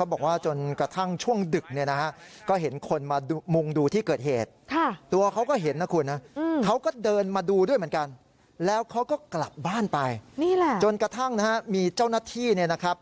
บ้านไปนี่แหละจนกระทั่งนะฮะมีเจ้าหน้าที่เนี่ยนะครับ